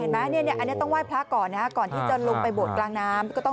ตุนตุนตุนตุนตุนตุนตุนตุน